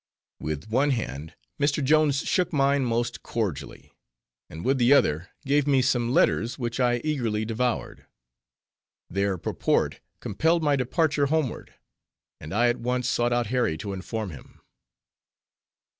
With one hand, Mr. Jones shook mine most cordially; and with the other, gave me some letters, which I eagerly devoured. Their purport compelled my departure homeward; and I at once sought out Harry to inform him.